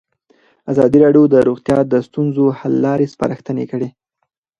ازادي راډیو د روغتیا د ستونزو حل لارې سپارښتنې کړي.